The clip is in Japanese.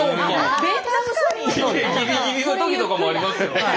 ギリギリの時とかもありますよ。